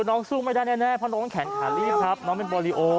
น้องสู้ไม่ได้แน่เพราะน้องแขนขาลีบครับน้องเป็นโบริโอ